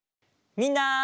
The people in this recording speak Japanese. みんな。